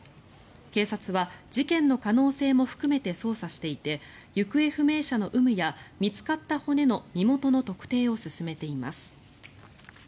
警察は事件の可能性も含めて捜査していて行方不明者の有無や見つかった骨の身元の特定を進めています。